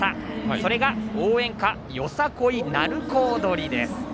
それが応援歌「よさこい鳴子踊り」です。